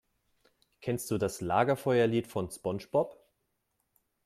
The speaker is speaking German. Kennst du das Lagerfeuerlied von SpongeBob?